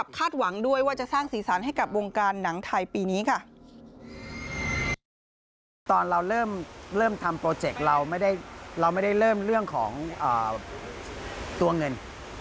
ทำโปรเจกต์เราเราไม่ได้เริ่มเรื่องของตัวเงิน